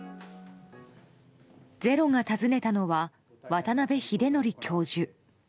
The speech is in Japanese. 「ｚｅｒｏ」が訪ねたのは渡邉英徳教授。